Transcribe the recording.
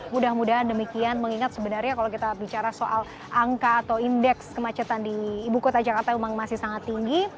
mudah mudahan demikian mengingat sebenarnya kalau kita bicara soal angka atau indeks kemacetan di ibu kota jakarta memang masih sangat tinggi